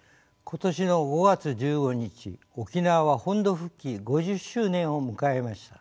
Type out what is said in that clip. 今年の５月１５日沖縄は本土復帰５０周年を迎えました。